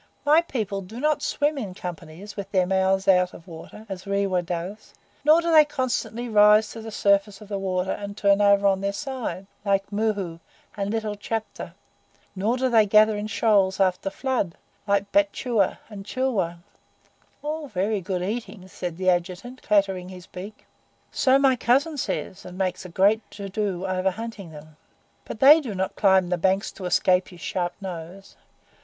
MY people do not swim in companies, with their mouths out of the water, as Rewa does; nor do they constantly rise to the surface of the water, and turn over on their sides, like Mohoo and little Chapta; nor do they gather in shoals after flood, like Batchua and Chilwa." "All are very good eating," said the Adjutant, clattering his beak. "So my cousin says, and makes a great to do over hunting them, but they do not climb the banks to escape his sharp nose.